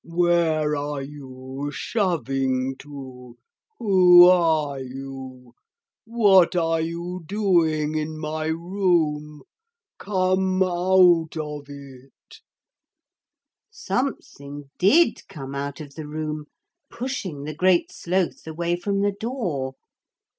Where are you shoving to? Who are you? What are you doing in my room? Come out of it.' Something did come out of the room, pushing the Great Sloth away from the door.